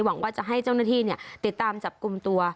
หวังว่าจะให้เจ้าหน้าที่ติดตามจับกลุ่มตัว